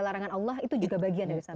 larangan allah itu juga bagian dari sana